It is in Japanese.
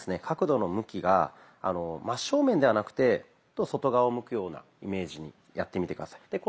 角度の向きが真正面ではなくて外側を向くようなイメージにやってみて下さい。